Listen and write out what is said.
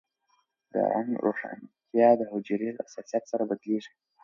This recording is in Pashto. د رنګ روښانتیا د حجرې حساسیت سره بدلېږي.